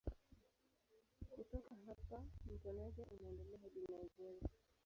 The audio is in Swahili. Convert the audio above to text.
Kutoka hapa mto Niger unaendelea hadi Nigeria.